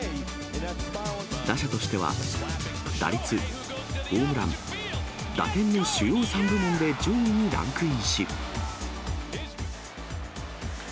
打者としては、打率、ホームラン、打点の主要３部門で上位にランクインし。